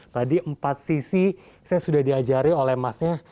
tadi empat sisi saya sudah diajari oleh masnya